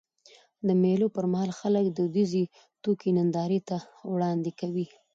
د مېلو پر مهال خلک دودیزي توکي نندارې ته وړاندي کوي.